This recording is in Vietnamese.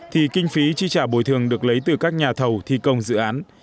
thì kinh phí chi trả bồi thường được lấy từ các nhà thầu thi công dự án